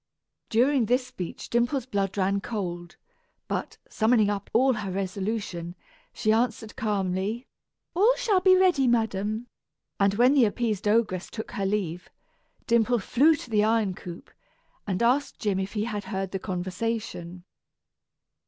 During this speech Dimple's blood ran cold, but, summoning up all her resolution, she answered calmly, "All shall be ready, madam;" and when the appeased ogress took her leave, Dimple flew to the iron coop, and asked Jim if he had heard the conversation.